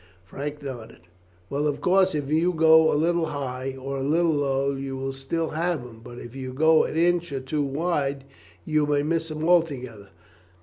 Frank nodded. "Well, of course, if you go a little high or a little low you will still have him; but if you go an inch or two wide you may miss him altogether.